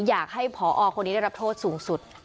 อยากให้ผอคนนี้ได้รับโทษสูงสุด